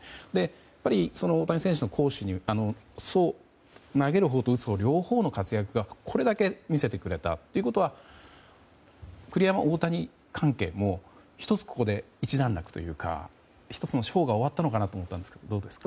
やっぱり大谷選手投げるほうと打つほうの両方でこれだけ見せてくれたということは栗山・大谷関係も１つ、ここで一段落というか１つの章が終わったのかなと思ったんですが、どうですか。